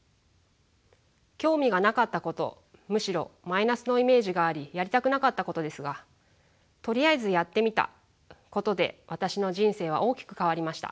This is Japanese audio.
興味がなかったことむしろマイナスのイメージがありやりたくなかったことですがとりあえずやってみたことで私の人生は大きく変わりました。